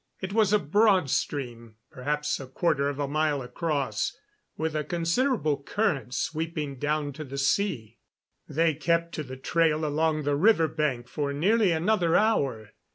It was a broad stream, perhaps a quarter of a mile across, with a considerable current sweeping down to the sea. They kept to the trail along the river bank for nearly another hour.